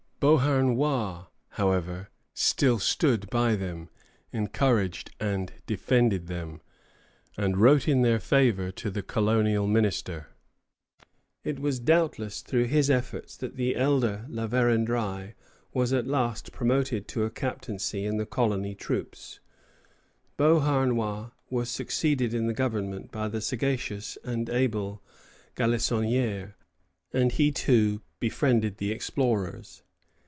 Beauharnois, however, still stood by them, encouraged and defended them, and wrote in their favor to the colonial minister. [Footnote: La Vérendrye père au Ministre, 1 Nov. 1746, in Margry VI. 611.] It was doubtless through his efforts that the elder La Vérendrye was at last promoted to a captaincy in the colony troops. Beauharnois was succeeded in the government by the sagacious and able Galissonière, and he too befriended the explorers.